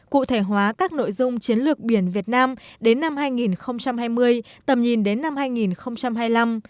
cụ thể hóa các nội dung chiến lược biển việt nam đến năm hai nghìn hai mươi tầm nhìn đến năm hai nghìn hai mươi năm